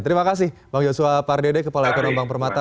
terima kasih bang joshua pardede kepala ekonomi bank permata